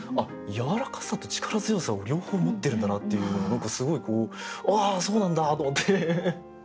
「柔らかさ」と「力強さ」を両方持ってるんだなっていう何かすごい「ああそうなんだ！」と思って。